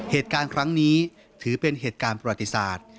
เหตุการณ์ครั้งนี้ถือเป็นเหตุการณ์ประวัติศาสตร์